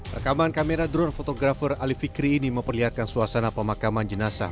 rekaman kamera drone fotografer ali fikri ini memperlihatkan suasana pemakaman jenazah